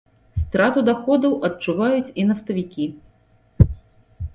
Страту даходаў адчуваюць і нафтавікі.